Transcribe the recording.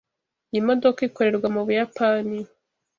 Iyi modoka ikorerwa mu Buyapani.